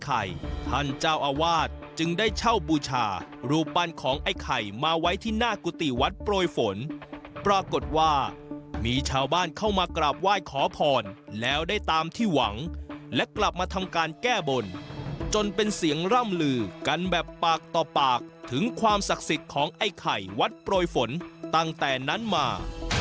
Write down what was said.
ท่านเจ้าอาวาสจึงได้เช่าบูชารูปปั้นของไอ้ไข่มาไว้ที่หน้ากุฏิวัดโปรยฝนปรากฏว่ามีชาวบ้านเข้ามากราบไหว้ขอพรแล้วได้ตามที่หวังและกลับมาทำการแก้บนจนเป็นเสียงร่ำลือกันแบบปากต่อปากถึงความศักดิ์สิทธิ์ของไอ้ไข่วัดโปรยฝนตั้งแต่นั้นมา